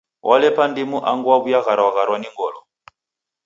Walepa ndimu angu waw'uya gharwa gharwa ni ngolo.